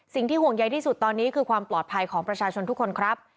สิ่งที่ห่วงใยที่สุดตอนนี้คือความปลอดภัยของประชาชนทุกคนครับ